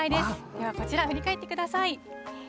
ではこちら、振り返ってください。